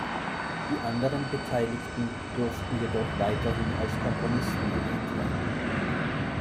Die anderen Beteiligten durften jedoch weiterhin als Komponisten erwähnt werden.